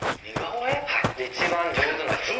一番上手な人が。